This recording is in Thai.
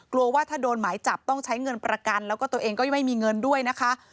กลัวว่าถ้าโดนหมายจับต้องใช้เงินประกันแล้วก็ตัวเองก็ยังไม่มีเงินด้วยนะคะ